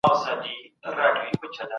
د طب پوهه هم د څېړنې په برخه کې مرسته کوي.